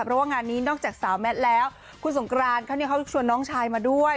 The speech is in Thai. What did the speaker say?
เพราะว่างานนี้นอกจากสาวแมทแล้วคุณสงกรานเขาชวนน้องชายมาด้วย